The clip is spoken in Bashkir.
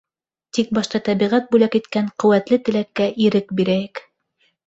Тик башта тәбиғәт бүләк иткән ҡеүәтле теләккә ирек бирәйек.